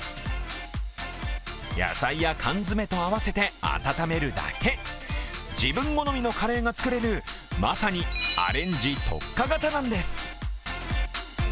野菜や缶詰と合わせて温めるだけ自分好みのカレーが作れるまさにアレンジ特化型なんです。